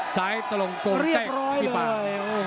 ซ้ายตรงตรงเต็กพี่ป่า